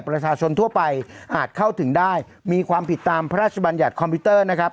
ประชาชนทั่วไปอาจเข้าถึงได้มีความผิดตามพระราชบัญญัติคอมพิวเตอร์นะครับ